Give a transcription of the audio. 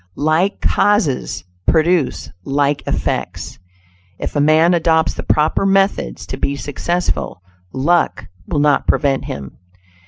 "Like causes produce like effects." If a man adopts the proper methods to be successful, "luck" will not prevent him.